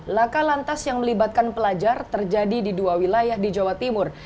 laka lantas yang melibatkan pelajar terjadi di dua wilayah di jawa timur